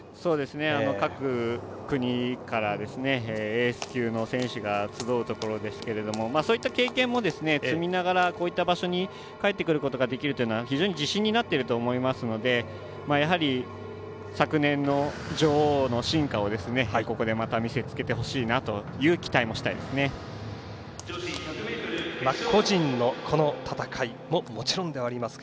各国からエース級の選手が集うところですがそういった経験も積みながらこういった場所に帰ってくることができるのは非常に自信になっていると思いますのでやはり、昨年の女王の真価をここでまた見せ付けてほしいなという期待もしたいですね。